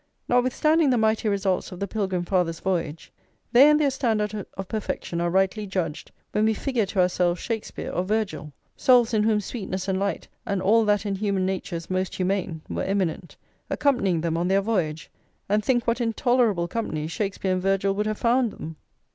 Notwithstanding the mighty results of the Pilgrim Fathers' voyage, they and their standard of perfection are rightly judged when we figure to ourselves Shakspeare or Virgil, souls in whom sweetness and light, and all that in human nature is most humane, were eminent, accompanying them on their voyage, and think what intolerable company Shakspeare and Virgil would have found them!